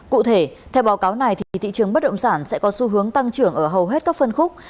cụ thể theo báo cáo này thì thị trường bất động sản sẽ có xu hướng tăng trưởng ở hầu hết các phân khúc